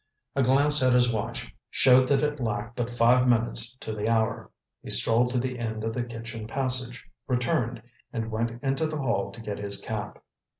A glance at his watch showed that it lacked but five minutes to the hour. He strolled to the end of the kitchen passage, returned, and went into the hall to get his cap.